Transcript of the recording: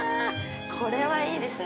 これはいいですね。